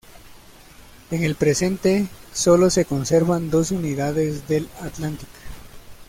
En el presente, sólo se conservan dos unidades del Atlantic.